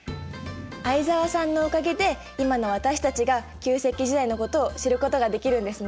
相沢さんのおかげで今の私たちが旧石器時代のことを知ることができるんですね。